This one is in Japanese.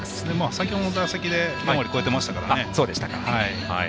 先ほどの打席で４割超えていましたね。